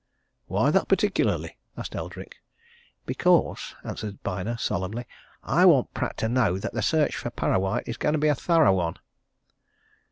"Why that particularly?" asked Eldrick. "Because," answered Byner solemnly, "I want Pratt to know that the search for Parrawhite is going to be a thorough one!"